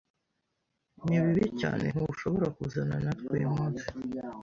Ni bibi cyane ntushobora kuzana natwe uyu munsi.